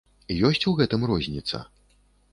Ёсць у гэтым розніца?